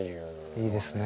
いいですね。